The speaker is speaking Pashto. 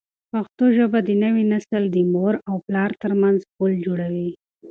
پښتو ژبه د نوي نسل د مور او پلار ترمنځ پل جوړوي.